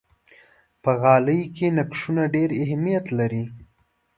په غالۍ کې نقشونه ډېر اهمیت لري.